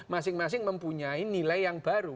masing masing mempunyai nilai yang baru